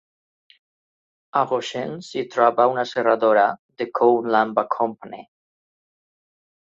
A Goshen s'hi troba una serradora de Cone Lumber Company.